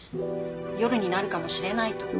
夜になるかもしれないと。